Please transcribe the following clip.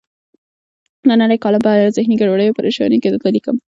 نننۍ کالم په ذهني ګډوډۍ او پریشانۍ کې درته لیکم.